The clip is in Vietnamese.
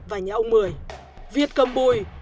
việt cầm bùi